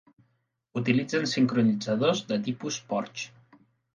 Utilitzen sincronitzadors de tipus Porsche.